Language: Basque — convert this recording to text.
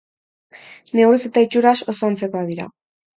Neurriz eta itxuraz oso antzekoak dira.